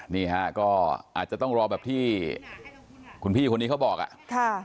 นี่ฮะก็อาจจะต้องรอแบบที่คุณพี่คนนี้เขาบอกอ่ะค่ะ